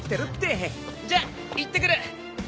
じゃあ行ってくる！